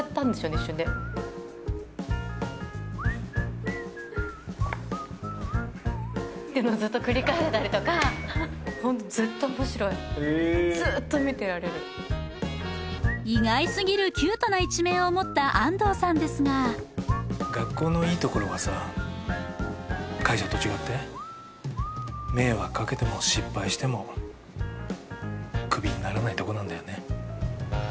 一瞬でっていうのをずっと繰り返してたりとかホント意外すぎるキュートな一面を持った安藤さんですが学校のいいところはさ会社と違って迷惑かけても失敗してもクビにならないとこなんだよね